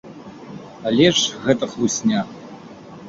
Але ж гэта хлусня.